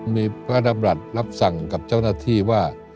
มีพระดำรัฐรับสั่งกับเจ้าหน้าที่ว่า